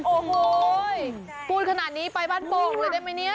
โอ้โหพูดขนาดนี้ไปบ้านโป่งเลยได้ไหมเนี่ย